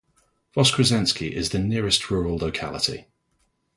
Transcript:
Voskresensky is the nearest rural locality.